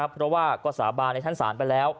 เพราะว่าก็สาบานในชั้นศาลไปแล้ว